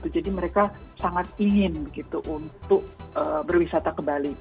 jadi mereka sangat ingin gitu untuk berwisata ke bali